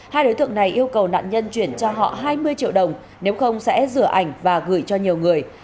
hai đối tượng này yêu cầu nạn nhân chuyển cho họ hai mươi triệu đồng nếu không sẽ rửa ảnh và gửi cho nhiều người